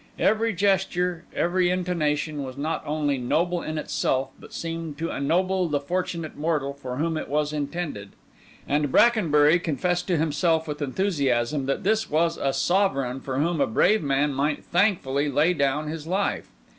Every gesture, every intonation, was not only noble in itself, but seemed to ennoble the fortunate mortal for whom it was intended; and Brackenbury confessed to himself with enthusiasm that this was a sovereign for whom a brave man might thankfully lay down his life.